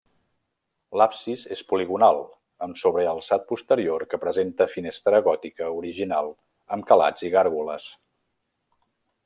L'absis és poligonal, amb sobrealçat posterior que presenta finestra gòtica original amb calats i gàrgoles.